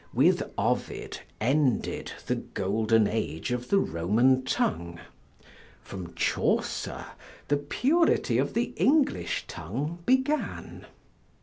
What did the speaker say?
With Ovid ended the golden age of the Roman tongue; from Chaucer the purity of the English tongue began.